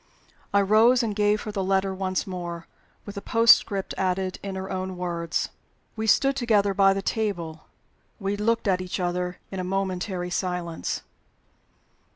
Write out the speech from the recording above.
I rose and gave her the letter once more with the postscript added, in her own words. We stood together by the table; we looked at each other in a momentary silence.